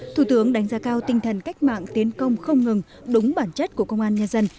thủ tướng đánh giá cao tinh thần cách mạng tiến công không ngừng đúng bản chất của công an nhân dân